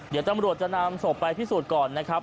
เดี๋ยวตำรวจจะนำศพไปพิสูจน์ก่อนนะครับ